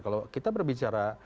kalau kita berbicara